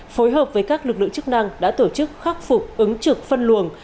phối hợp với các lực lượng chức năng đã tổ chức khắc phục ứng trực phân luồng